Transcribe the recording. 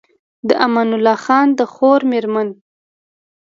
د امان الله خان د خور مېرمن